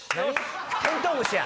テントウムシや。